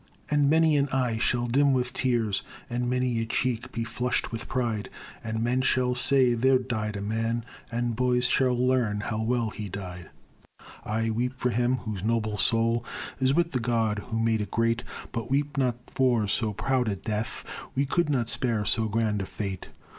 And many an eye shall dim with tears, And many a cheek be flushed with pride; And men shall say, There died a man, And boys shall learn how well he died. Ay, weep for him, whose noble soul Is with the God who made it great; But weep not for so proud a death, We could not spare so grand a fate.